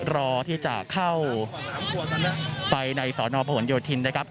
รอที่จะเข้าไปในสอนอพหนโยธินนะครับ